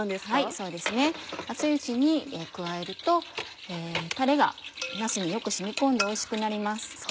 そうですね熱いうちに加えるとタレがなすによく染み込んでおいしくなります。